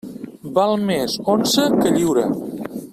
Val més onça que lliura.